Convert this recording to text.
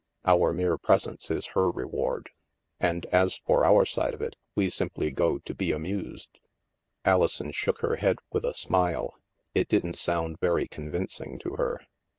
Our mere presence is her reward. And, as for our side of it, we simply go to be amused." Alison shook her head with a smile. It didn't sound very convincing to her.